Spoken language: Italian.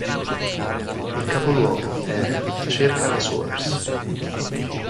Il capoluogo è Cerca-la-Source.